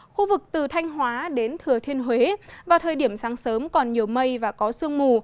khu vực từ thanh hóa đến thừa thiên huế vào thời điểm sáng sớm còn nhiều mây và có sương mù